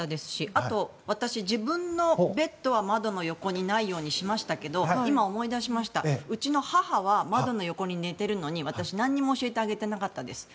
あと、私自分のベッドは窓のところにないようにしましたけど今思い出しましたうちの母は窓の横に寝てるのに私、何も教えてあげていなかったです。